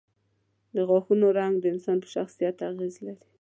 د غاښونو رنګ د انسان پر شخصیت اغېز لري.